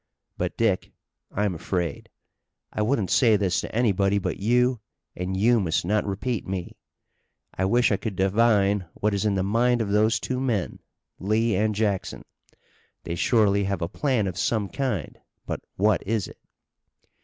But, Dick, I'm afraid. I wouldn't say this to anybody but you and you must not repeat me. I wish I could divine what is in the mind of those two men, Lee and Jackson. They surely have a plan of some kind, but what is it?"